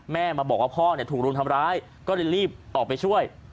แม่มาบอกว่าพ่อถูกรุมทำร้ายก็เลยรีบออกไปช่วย